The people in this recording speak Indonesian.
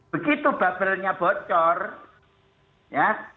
begitu bubblenya bocor ya